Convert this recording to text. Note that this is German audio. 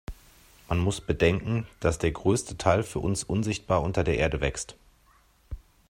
Man muss bedenken, dass der größte Teil für uns unsichtbar unter der Erde wächst.